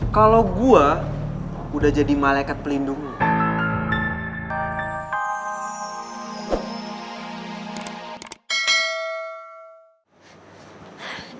kalau gue udah jadi malaikat pelindung